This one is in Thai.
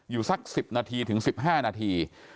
สัก๑๐นาทีถึง๑๕นาที